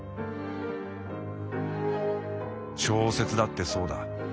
「小説だってそうだ。